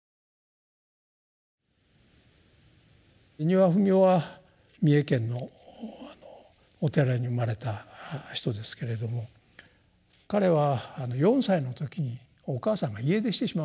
丹羽文雄は三重県のお寺に生まれた人ですけれども彼は４歳の時にお母さんが家出してしまうんですね。